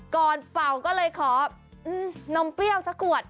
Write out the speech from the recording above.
เป่าก็เลยขอนมเปรี้ยวสักขวด